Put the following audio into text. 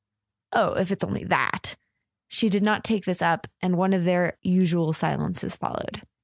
. "Oh, if it's only that " She did not take this up, and one of their usual silences followed.